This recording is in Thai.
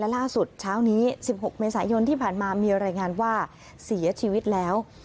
ล่าสุดเช้านี้๑๖เมษายนที่ผ่านมามีรายงานว่าเสียชีวิตแล้ว